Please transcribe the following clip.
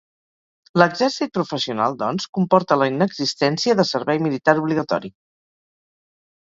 L'exèrcit professional, doncs, comporta la inexistència de servei militar obligatori.